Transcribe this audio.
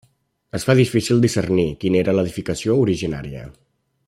Es fa difícil discernir quina era l'edificació originària.